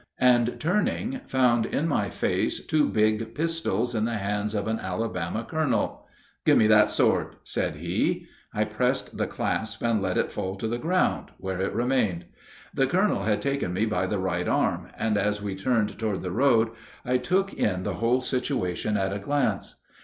and turning found in my face two big pistols in the hands of an Alabama colonel. "Give me that sword," said he. I pressed the clasp and let it fall to the ground, where it remained. The colonel had taken me by the right arm, and as we turned toward the road I took in the whole situation at a glance.